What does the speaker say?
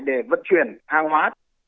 để vận chuyển hàng hóa